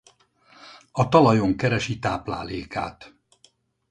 A talajon keresi táplálékát.